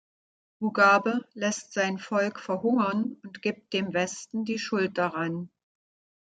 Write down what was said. Mugabe lässt sein Volk verhungern und gibt dem Westen die Schuld daran.